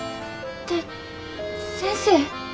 てっ先生？